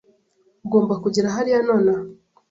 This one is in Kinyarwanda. Ugomba kugera hariya nonaha.